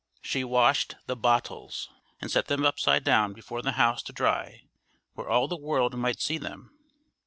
She washed the bottles, and set them upside down before the house to dry where all the world might see them.